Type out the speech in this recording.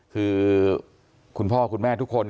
คือคุณพ่อคุณแม่ทุกคน